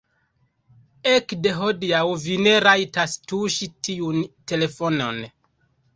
Ekde hodiaŭ vi ne rajtas tuŝi tiun telefonon.